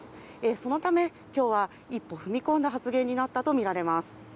そのため、今日は一歩踏み込んだ発言になったとみられます。